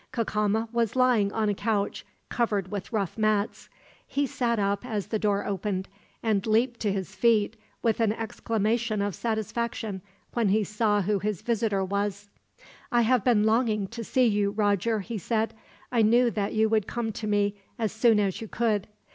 Cacama was lying on a couch, covered with rough mats. He sat up as the door opened; and leaped to his feet, with an exclamation of satisfaction, when he saw who his visitor was. "I have been longing to see you, Roger," he said. "I knew that you would come to me, as soon as you could.